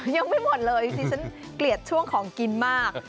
ยังไม่หมดเลยดิฉันเกลียดช่วงของกินมาก